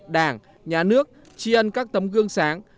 đảng nhà nước chi ân các tấm gương sáng